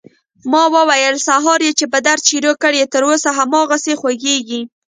ما وويل سهار يې چې په درد شروع کړى تر اوسه هماغسې خوږېږي.